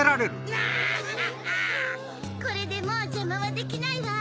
これでもうジャマはできないわ！